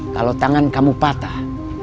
kalau tangan kamu patah